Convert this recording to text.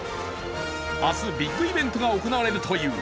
明日、ビッグイベントが行われるという。